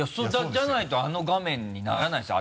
じゃないとあの画面にならないですよ。